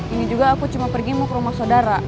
ini juga aku cuma pergi mau ke rumah saudara